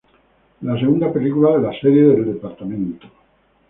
Es la segunda película de la serie del Departamento.